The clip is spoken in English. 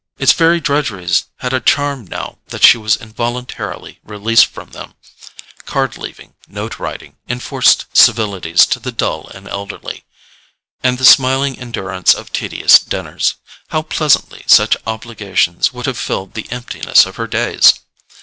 Its very drudgeries had a charm now that she was involuntarily released from them: card leaving, note writing, enforced civilities to the dull and elderly, and the smiling endurance of tedious dinners—how pleasantly such obligations would have filled the emptiness of her days!